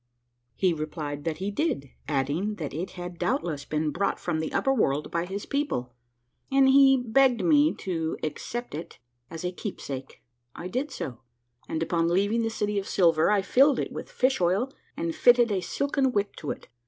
He re plied that he did, adding that it had doubtless been brought from the upper world by his people, and he begged me to accept A MARVELLOUS UNDERGROUND JOURNEY 141 it as a keepsake. I tlid so, and upon leaving the City of Silver, I filled it with fish oil and fitted a silken wick to it.